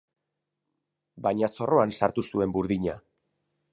Baina zorroan sartu zuen burdina.